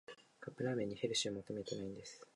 カップラーメンにヘルシーは求めてないんです